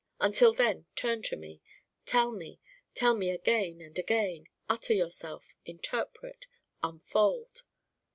Until then, turn to me. Tell me: tell me again and again. Utter yourself. Interpret. Unfold.